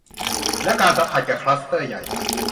และการสัมผัสกับคลัสเตอร์ใหญ่